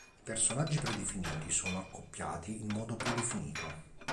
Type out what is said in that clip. I personaggi predefiniti sono accoppiati in modo predefinito.